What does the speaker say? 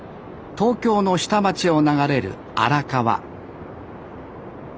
東京の下町を流れる荒川